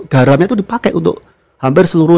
garamnya itu dipakai untuk hampir seluruh